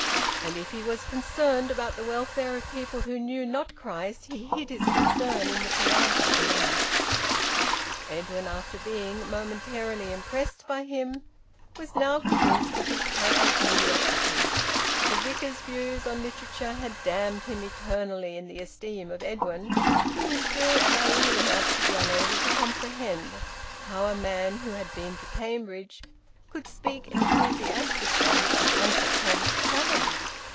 And if he was concerned about the welfare of people who knew not Christ, he hid his concern in the politest manner. Edwin, after being momentarily impressed by him, was now convinced of his perfect mediocrity; the Vicar's views on literature had damned him eternally in the esteem of Edwin, who was still naive enough to be unable to comprehend how a man who had been to Cambridge could speak enthusiastically of "Uncle Tom's Cabin."